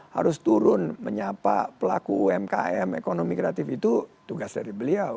harus turun menyapa pelaku umkm ekonomi kreatif itu tugas dari beliau